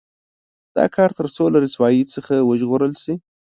دا کار تر څو له رسوایۍ څخه وژغورل شي.